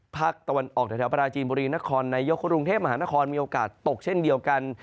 ภาคตะวันออกแถวปราจีนบุรีนครนายกกรุงเทพมหานครมีโอกาสตกเช่นเดียวกัน